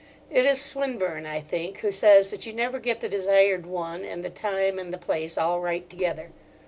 It is Swinburne, I think, who says that you never get the desired one and the time and the place all right together.